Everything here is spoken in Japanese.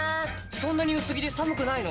そんなに薄着で寒くないの？